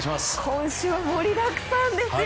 今週も盛りだくさんですよ。